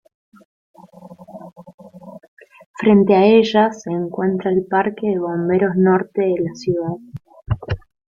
Frente a ella se encuentra el Parque de Bomberos Norte de la ciudad.